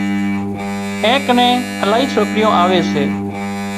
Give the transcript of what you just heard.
اين ڪنين الاهي سوڪريون آوي سي